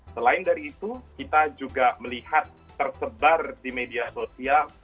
selain dari itu kita juga melihat tersebar di media sosial